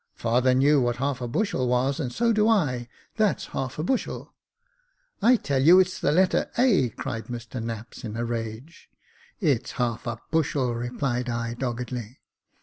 " Father knew what half a bushel was, and so do I : that's half a bushel." " I tell you it's the letter A," cried Mr Knapps, in a rage. *' It's half a bushel," replied I, doggedly.